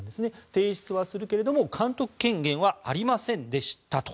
提出はするけれども監督権限はありませんでしたと。